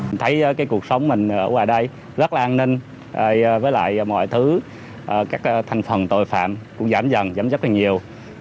mình thấy cái cuộc sống mình ở ngoài đây rất là an ninh với lại mọi thứ các thành phần tội phạm cũng giảm dần giảm giảm rất là nhiều